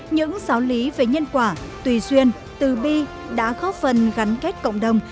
những giáo lý về nhân quả tùy duyên từ bi đã góp phần gắn kết cộng đồng